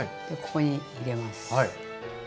ここに入れます。